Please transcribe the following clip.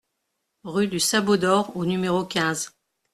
Rue du Sabot d'Or au numéro quinze